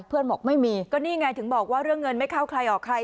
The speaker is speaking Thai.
บอกไม่มีก็นี่ไงถึงบอกว่าเรื่องเงินไม่เข้าใครออกใคร